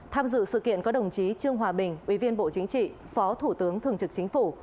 tham dự sự kiện có đồng chí trương hòa bình ủy viên bộ chính trị phó thủ tướng thường trực chính phủ